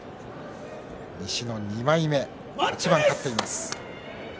西の２枚目で８番勝っています。